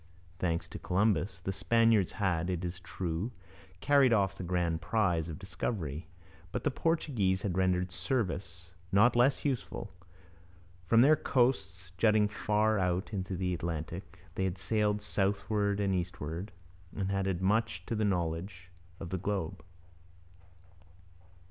Thanks to Columbus, the Spaniards had, it is true, carried off the grand prize of discovery. But the Portuguese had rendered service not less useful. From their coasts, jutting far out into the Atlantic, they had sailed southward and eastward, and had added much to the knowledge of the globe.